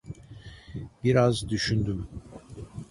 Biraz düşündüm.